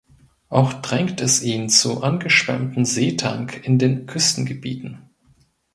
Auch drängt es ihn zu angeschwemmten Seetang in den Küstengebieten.